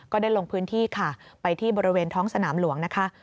ก็ได้ลงพื้นที่ค่ะไปที่บริเวณท้องสนามหลวงนะคะ